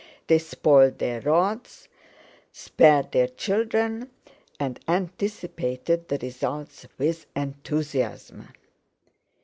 They spoiled their rods, spared their children, and anticipated the results with enthusiasm.